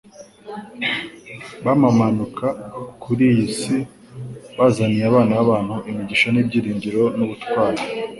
bamanuka ku isi bazaniye abana b'abantu imigisha n'ibyiringiro n'ubutwari,